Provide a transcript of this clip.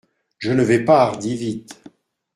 Je ne vais pas hardi vite.